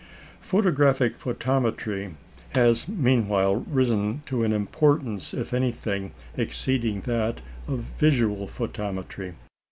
Photographic photometry has meanwhile risen to an importance if anything exceeding that of visual photometry.